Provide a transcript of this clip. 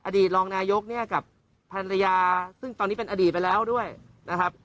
อดีตรองนายกเนี่ยกับภรรยาซึ่งตอนนี้เป็นอดีตไปแล้วด้วยนะครับ